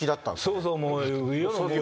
そうそうもう。